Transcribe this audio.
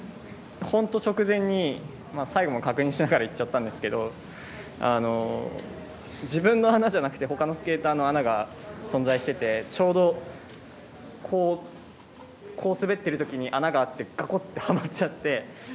本当直前に最後も確認しながらいっちゃったんですけど自分の穴じゃなくて他のスケーターの穴が存在しててちょうどこう滑ってる時に穴があってガコッてはまちゃって。